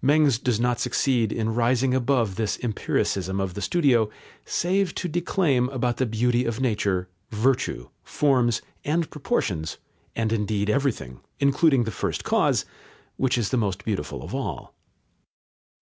Mengs does not succeed in rising above this empiricism of the studio, save to declaim about the beauty of nature, virtue, forms, and proportions, and indeed everything, including the First Cause, which is the most beautiful of all.